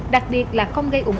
đặc biệt là không gây ủng hộ